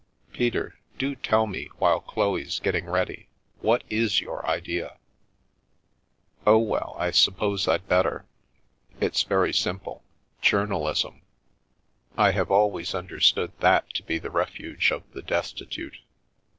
Peter, do tell me while Chloe's getting ready — what is your idea ?" "Oh, well, I suppose I'd better. It's very simple — journalism. I have always understood that to be the refuge of the destitute."